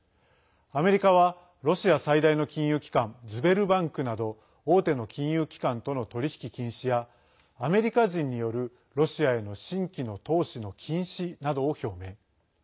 アメリカはロシア最大の金融機関ズベルバンクなど大手の金融機関との取り引き禁止やアメリカ人による、ロシアへの新規の投資の禁止などを表明。